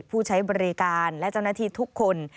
ผู้ใช้บริการและเจ้าหน้าที่ทุกคน